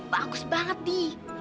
bagus banget di